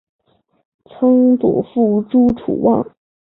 曾祖父朱楚望。